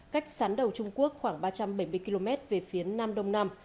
cách sán đầu trung quốc khoảng ba trăm bảy mươi km về phía nam đông nam